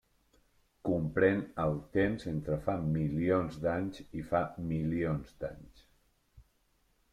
Comprèn el temps entre fa milions d'anys i fa milions d'anys.